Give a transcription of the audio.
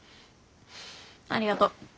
ありがとう。